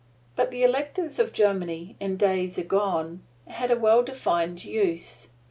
But the electors of Germany, in days agone, had a well defined use.